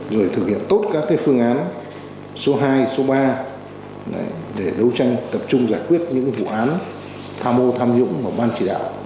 rồi thực hiện tốt các phương án số hai số ba để đấu tranh tập trung giải quyết những vụ án tham mô tham nhũng của ban chỉ đạo